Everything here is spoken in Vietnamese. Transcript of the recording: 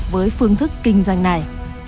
với phương thức kinh doanh này